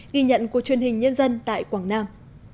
ghi nhận của truyền hình nhân dân tại quảng nam